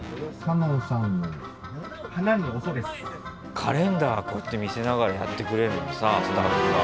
カレンダーこうやって見せながらやってくれるのさスタッフが。